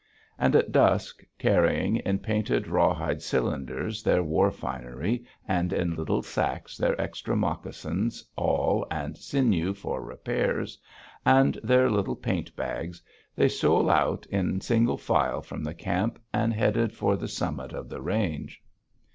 And at dusk, carrying in painted rawhide cylinders their war finery, and in little sacks their extra moccasins, awl and sinew for repairs, and their little paint bags, they stole out in single file from the camp and headed for the summit of the range.